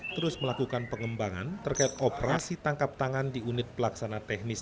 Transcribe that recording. terus melakukan pengembangan terkait operasi tangkap tangan di unit pelaksana teknis